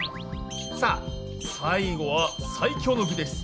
さあ最後は最強の具です。